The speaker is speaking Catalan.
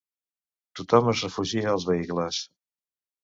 Tothom es refugia als vehicles.